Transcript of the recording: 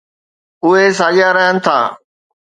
اهي ساڳيا رهن ٿا.